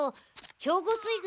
兵庫水軍